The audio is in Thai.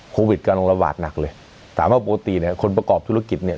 โควิดกำลังระบาดหนักเลยถามว่าปกติเนี่ยคนประกอบธุรกิจเนี่ย